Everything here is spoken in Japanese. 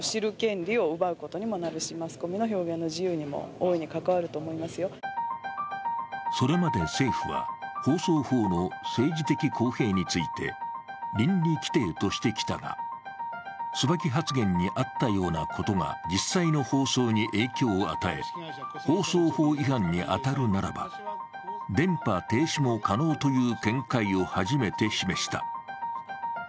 当時無所属だった高市氏もそれまで政府は、放送法の政治的公平について倫理規程としてきたが、椿発言にあったようなことが実際の放送に影響を与え放送法違反に当たるならば電波停止も可能という見解を初めて示した。